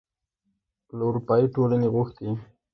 له اروپايي ټولنې غوښتي